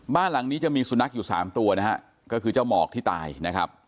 บ้านหลังนี้จะมีสุนัขอยู่สามตัวนะฮะก็คือเจ้าหมอกที่ตายนะครับ